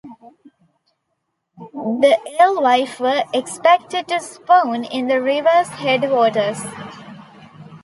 The alewife were expected to spawn in the river's headwaters.